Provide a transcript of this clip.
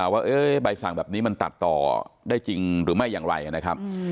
ว่าใบสั่งแบบนี้มันตัดต่อได้จริงหรือไม่อย่างไรนะครับ